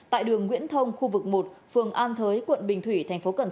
tại đường nguyễn thông khu vực một phường an thới quận bình thủy tp cn